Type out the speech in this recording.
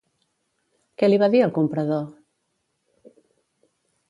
Què li va dir el comprador?